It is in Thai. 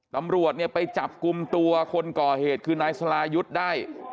ตำรวจเนี่ยไปจับกลุ่มตัวคนก่อเหตุคือนายสลายุทธ์ได้